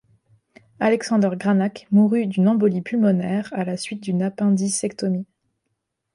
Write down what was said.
Alexander Granach mourut le d'une embolie pulmonaire à la suite d'une appendicectomie.